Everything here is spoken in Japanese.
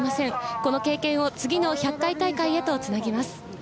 この経験を次の１００回大会へと繋ぎます。